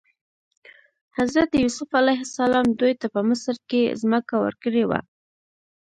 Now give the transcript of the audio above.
حضرت یوسف علیه السلام دوی ته په مصر کې ځمکه ورکړې وه.